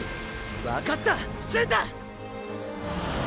分かった純太！